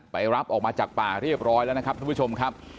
รับออกมาจากป่าเรียบร้อยแล้วนะครับท่านผู้ชมครับ